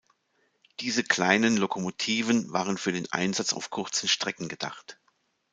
Diese kleinen Lokomotiven waren für den Einsatz auf kurzen Strecken gedacht.